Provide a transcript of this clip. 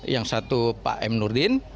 yang satu pak m nurdin